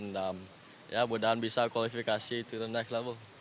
dan ya semoga bisa kualifikasi ke next level